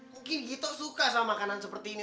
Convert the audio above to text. mungkin gito suka sama makanan seperti ini